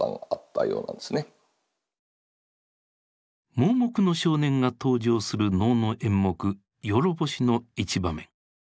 盲目の少年が登場する能の演目「弱法師」の一場面。